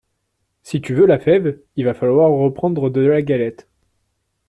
Si tu veux la fève, il va falloir reprendre de la galette.